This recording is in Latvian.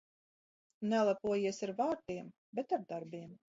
Nelepojies ar vārdiem, bet ar darbiem.